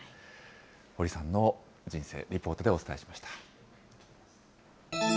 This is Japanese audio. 堀さんの人生、リポートでお伝えしました。